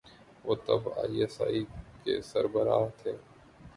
وہ تب I S I کے سربراہ تھے۔